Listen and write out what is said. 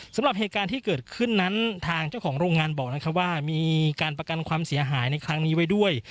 สำหรับเหตุการณ์ที่เกิดขึ้นนั้นทางเจ้าของโรงงานบอกนะครับว่ามีการประกันความเสียหายในครั้งนี้ไว้ด้วย